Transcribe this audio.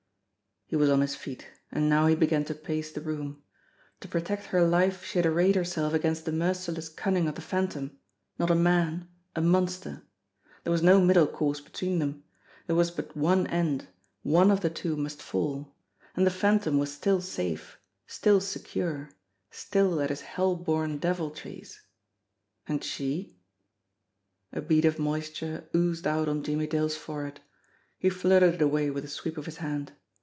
He was on his feet ; and now he began to pace the room. To protect her life she had arrayed herself against the merci less cunning of the Phantom not a man ; a monster. There was no middle course between them. There was but one end. One of the two must fall. And the Phantom was still safe, still secure, still at his hell born deviltries. And she? A bead of moisture oozed out on Jimmie Dale's forehead. He flirted it away with a sweep of his hand.